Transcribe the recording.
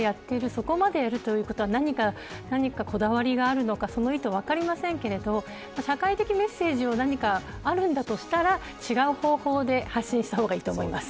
そこまでやるということは何かこだわりがあるのかその意図は分かりませんが社会的メッセージが何かあるんだとしたら違う方法で発信した方がいいと思います。